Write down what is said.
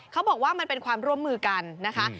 เขาบอกว่ามันเป็นความร่วมมือกันนะคะ